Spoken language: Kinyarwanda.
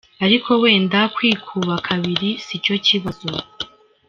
ariko wenda kwikuba kabiri si cyo kibazo.